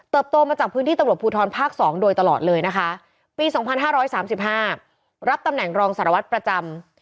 โตมาจากพื้นที่ตำรวจภูทรภาค๒โดยตลอดเลยนะคะปี๒๕๓๕รับตำแหน่งรองสารวัตรประจำ